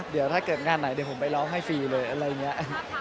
เดี๋ยวถ้าเกิดงานไหนเดี๋ยวผมไปร้องให้ฟรีเลยอะไรอย่างนี้